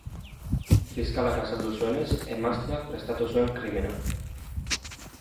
Fiskalak azaldu duenez, emazteak prestatu zuen krimena.